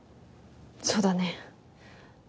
そうだね。